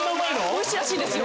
おいしいらしいですよ。